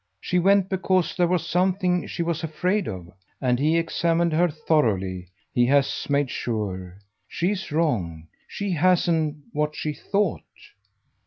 She went because there was something she was afraid of, and he examined her thoroughly he has made sure. She's wrong she hasn't what she thought."